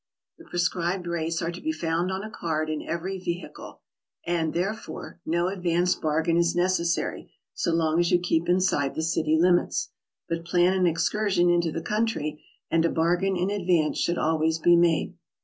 The prescribed rates are to be found on a card in every vehicle, and, therefore, no advance bargain is necessary so long as you keep inside the city limits; but plan an excursion into the country, and a bargain in advance should always be made.